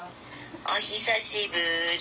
お久しぶり